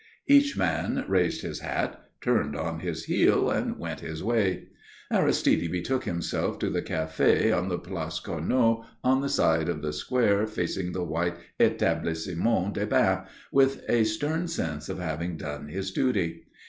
Each man raised his hat, turned on his heel and went his way. Aristide betook himself to the café on the Place Carnot on the side of the square facing the white Etablissement des Bains, with a stern sense of having done his duty.